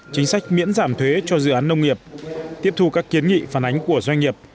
chính sách miễn giảm thuế cho dự án nông nghiệp tiếp thu các kiến nghị phản ánh của doanh nghiệp